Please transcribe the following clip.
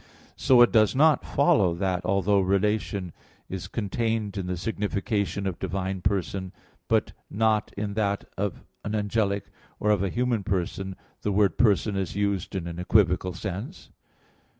So it does not follow that, although relation is contained in the signification of divine person, but not in that of an angelic or of a human person, the word "person" is used in an equivocal sense.